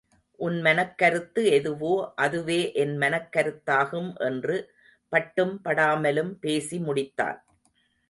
உன் மனக்கருத்து எதுவோ அதுவே என் மனக்கருத்தாகும் என்று பட்டும் படாமலும் பேசி முடித்தான்.